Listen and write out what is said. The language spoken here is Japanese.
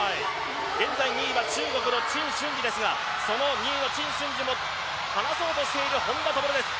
現在２位は中国の陳俊児ですがその２位の陳俊児も離そうとしている本多灯です。